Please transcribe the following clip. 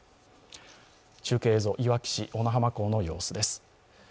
中継映像、いわき市小名浜港の様子です。